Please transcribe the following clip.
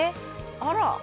あら。